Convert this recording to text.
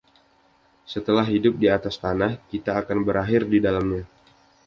Setelah hidup di atas tanah, kita akan berakhir di dalamnya